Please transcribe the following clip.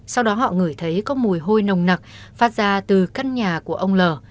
sau đó họ ngửi thấy có mùi hôi nồng nặc phát ra từ căn nhà của ông l